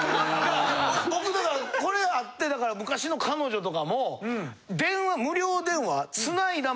僕だからこれがあってだから昔の彼女とかも電話無料電話つないだ